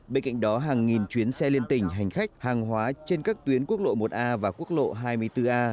bên cạnh đó hàng nghìn chuyến xe liên tỉnh hành khách hàng hóa trên các tuyến quốc lộ một a và quốc lộ hai mươi bốn a